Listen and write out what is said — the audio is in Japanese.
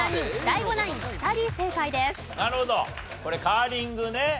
これカーリングね。